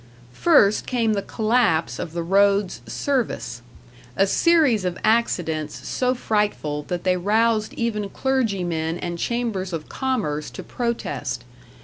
First came the collapse of the road's service; a series of accidents so frightful that they roused even clergymen and chambers of commerce to protest.